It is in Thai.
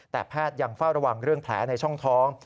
แต่แพทย์ยังเฝ้าระวังเรื่องแผลในช่องท้อง